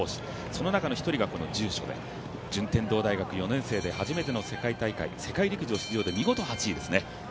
その中の一人が住所で順天堂大学４年生で初めての世界大会、世界陸上出場で見事、８位ですね。